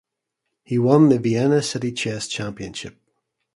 He won Vienna city chess championship.